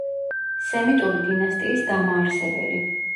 სემიტური დინასტიის დამაარსებელი.